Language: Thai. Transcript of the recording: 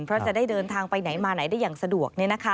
เพราะจะได้เดินทางไปไหนมาไหนได้อย่างสะดวก